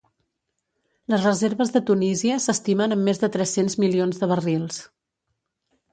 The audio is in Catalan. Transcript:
Les reserves de Tunísia s'estimen en més de tres-cents milions de barrils.